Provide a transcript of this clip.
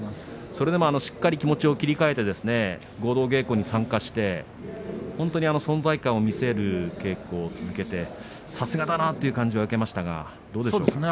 それでも、しっかり気持ちを切り替えて合同稽古に参加して、本当に存在感を見せる稽古を続けてさすがだなという感じは受けましたがどうでしょうか？